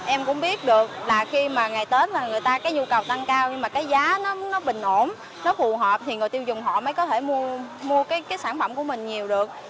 em cũng biết được là khi mà ngày tết là người ta cái nhu cầu tăng cao nhưng mà cái giá nó bình ổn nó phù hợp thì người tiêu dùng họ mới có thể mua cái sản phẩm của mình nhiều được